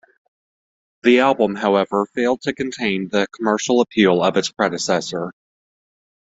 The album, however, failed to contain the commercial appeal of its predecessor.